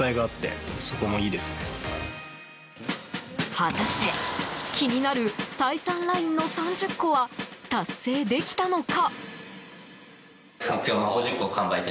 果たして気になる採算ラインの３０個は達成できたのか？